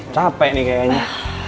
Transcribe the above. capek nih kayaknya